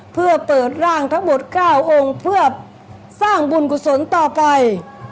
เพื่อเปิดร่างทั้งหมด๙องค์เพื่อสร้างบุญกุศลต่อไป